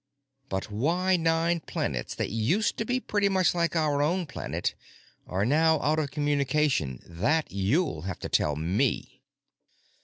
But why nine planets that used to be pretty much like our own planet are now out of communication, that you'll have to tell me."